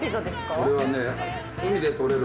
これはね。